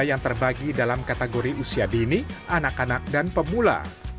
yang terbagi dalam kategori usia dini anak anak dan pemula